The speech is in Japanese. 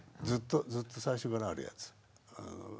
ずっと最初からあるやつ。